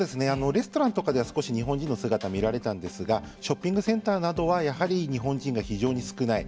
レストランとかでは少し日本人の姿が見られたんですがショッピングセンターなどはやはり日本人が非常に少ない。